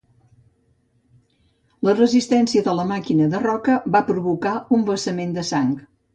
La resistència de la màquina de roca va provocar un vessament de sang.